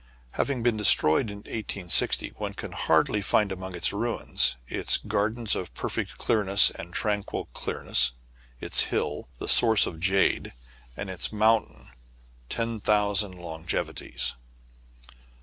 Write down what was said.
Having been destroyed in i860, one can hardly find among its ruins its Gardens of Perfect Clearness and Tranquil Clear ness ; its hill, the Source of Jade ; and its moun tain. Ten Thousand Longevities.